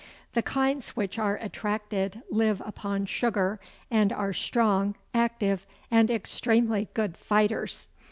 The kinds which are attracted live upon sugar, and are strong, active, and extremely good fighters.